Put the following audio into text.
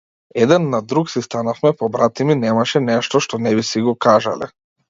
Еден на друг си станавме побратими, немаше нешто што не би си го кажале.